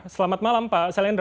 selamat malam pak sailendra